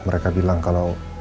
mereka bilang kalau